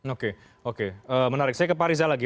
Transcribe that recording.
oke oke menarik saya ke pak riza lagi